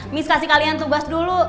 mis kasih kalian tugas dulu